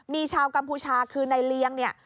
มีชาวกัมพูชาคือในเลี้ยง